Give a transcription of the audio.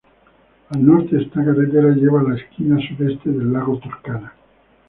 Al norte, esta carretera lleva a la esquina sureste del lago Turkana.